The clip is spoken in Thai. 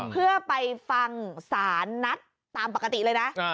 เพื่อไปฟังศาลนัดตามปกติเลยนะ